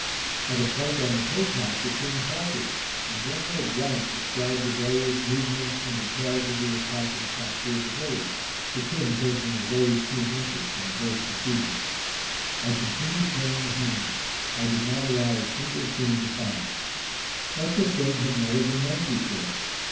At a point on the hill top the King halted, and General described the various movements and details of the attack and capture of the village, the King taking a very keen interest in the whole procedure. I continued turning the handle. I did not allow a single scene to pass. Such a thing had never been known before.